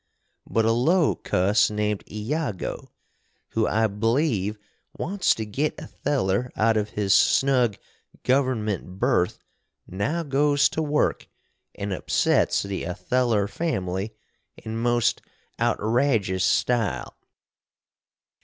But a low cuss named Iago, who I bleeve wants to git Otheller out of his snug government birth, now goes to work & upsets the Otheller family in most outrajus stile.